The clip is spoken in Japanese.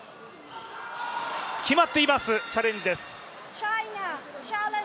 決まっています、チャレンジです。